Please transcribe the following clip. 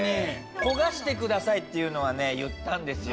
焦がしてくださいって言ったんですよ